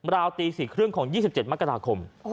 ราวตีศิษย์เครื่องของ๒๗มค